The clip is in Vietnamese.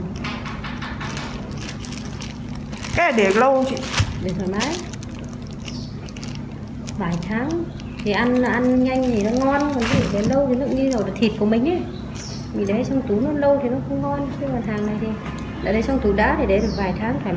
cái hàng này thì để trong túi đã thì để được vài tháng thoải mái